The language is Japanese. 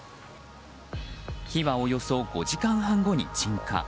火はおよそ５時間半後に鎮火。